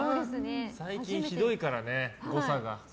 最近、ひどいからね誤差が。